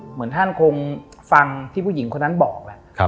เหมือนท่านคงฟังที่ผู้หญิงคนนั้นบอกแหละ